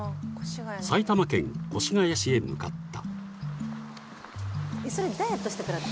［埼玉県越谷市へ向かった］